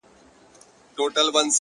تا څه کول جانانه چي راغلی وې وه کور ته _